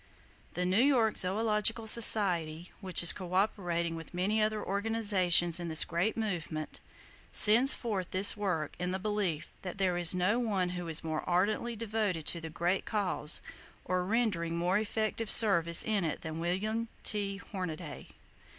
The New York Zoological Society, which is cooperating with many other organizations in this great movement, sends forth this work in the belief that there is no one who is more ardently devoted to the great cause or rendering more effective service in it than William T. Hornaday.